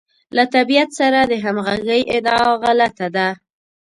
له طبیعت سره د همغږۍ ادعا غلطه ده.